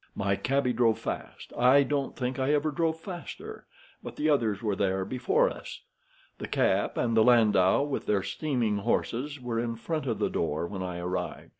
"My cabby drove fast. I don't think I ever drove faster, but the others were there before us. The cab and landau with their steaming horses were in front of the door when I arrived.